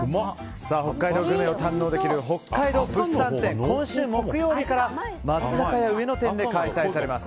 北海道グルメを堪能できる北海道物産展は今週木曜日から松坂屋上野店で開催されます。